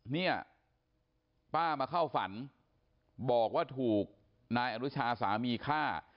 เนี่ยป้ามาเข้าฝันบอกว่าถูกนายอนุชาสามีฆ่า